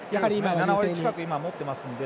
７割近く持っていますので。